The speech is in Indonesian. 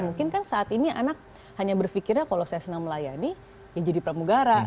mungkin kan saat ini anak hanya berpikirnya kalau saya senang melayani ya jadi pramugara